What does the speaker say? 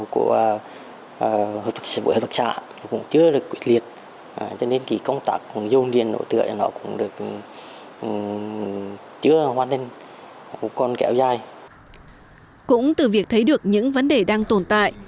cũng từ việc thấy được những vấn đề đang tồn tại